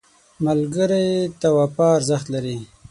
ملګری ته وفا ارزښت لري